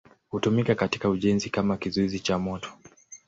Hutumika katika ujenzi kama kizuizi cha moto.